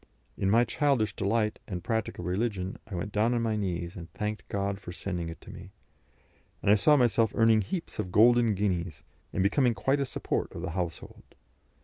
In my childish delight and practical religion, I went down on my knees and thanked God for sending it to me, and I saw myself earning heaps of golden guineas, and becoming quite a support of the household.